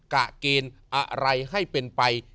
กะเกณฑ์อะไรให้เป็นไป